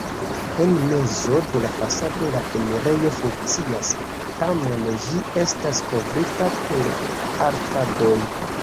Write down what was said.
En mezo de la fasado la enirejo funkcias, tamen ĝi estas kovrita per arkadoj.